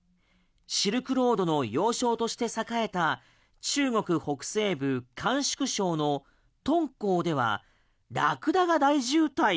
シルクロードの要衝として栄えた中国北西部甘粛省の敦煌ではラクダが大渋滞。